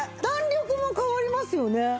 弾力も変わりますよね。